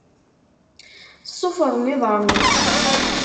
Ṣṣufṛen iḍaṛṛen-is.